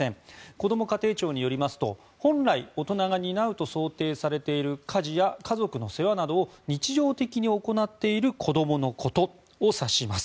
こども家庭庁によりますと本来大人が担うと想定されている家事や家族の世話などを日常的に行っている子どものことを指します。